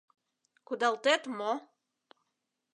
Кудалтет мо?